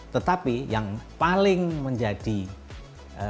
tetapi yang paling menjadi bergensi adalah olimpiade